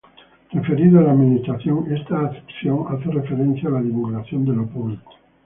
Referido a la administración, esta acepción hace referencia a la divulgación de lo público.